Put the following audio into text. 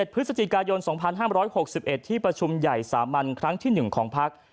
พฤศจิกายน๒๕๖๑ที่ประชุมใหญ่สามัญครั้งที่๑ของพัก